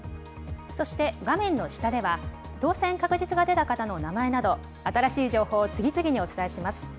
そして、画面の下では、当選確実が出た方の名前など、新しい情報を次々にお伝えします。